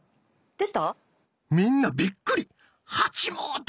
出た。